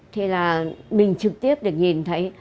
thì là mình trực tiếp được nhìn thấy